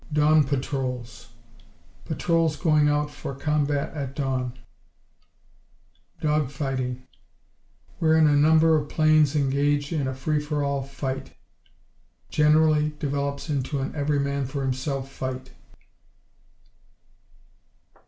Dawn patrols Patrols going out for combat at dawn. Dog fighting Wherein a number of planes engage in a free for all fight. Generally develops into an every man for himself fight.